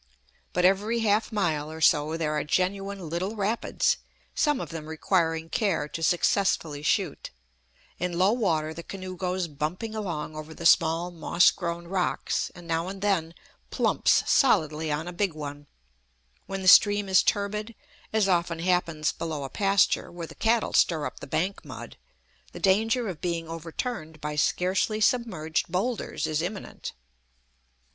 But every half mile or so there are genuine little rapids, some of them requiring care to successfully shoot; in low water the canoe goes bumping along over the small moss grown rocks, and now and then plumps solidly on a big one; when the stream is turbid, as often happens below a pasture, where the cattle stir up the bank mud, the danger of being overturned by scarcely submerged bowlders is imminent.